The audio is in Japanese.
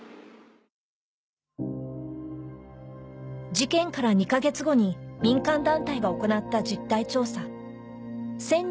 事件から２か月後に民間団体が行った実態調査１０００